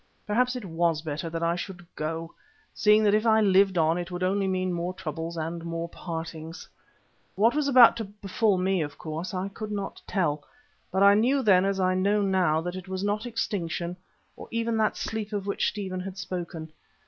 Perhaps it was better that I should go, seeing that if I lived on it would only mean more troubles and more partings. What was about to befall me of course I could not tell, but I knew then as I know now, that it was not extinction or even that sleep of which Stephen had spoken.